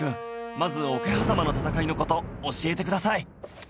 まず桶狭間の戦いの事教えてください